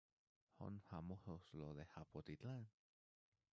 Son famosos los de Zapotitlán.